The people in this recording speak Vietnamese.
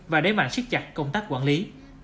và đế mạnh siết chặt công tác quản lý